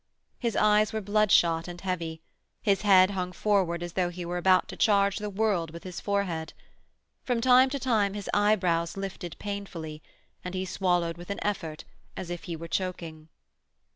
His eyes were bloodshot and heavy, his head hung forward as though he were about to charge the world with his forehead. From time to time his eyebrows lifted painfully, and he swallowed with an effort as if he were choking.